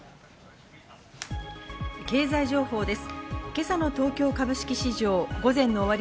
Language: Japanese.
経済情報です。